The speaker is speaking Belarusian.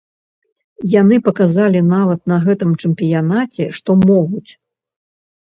Яны паказалі нават на гэтым чэмпіянаце, што могуць.